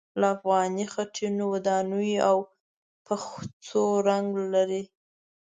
له افغاني خټينو ودانیو او پخڅو رنګ اخلي.